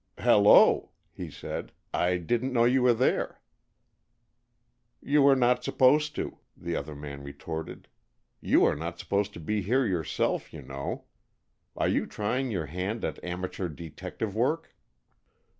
"Hello!" he said. "I didn't know you were there." "You were not supposed to," the other man retorted. "You are not supposed to be here yourself, you know. Are you trying your hand at amateur detective work?"